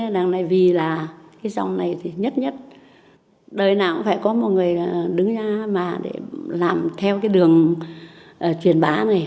đừng gửi gai đừng gửi gai để làm theo cái đường truyền bá này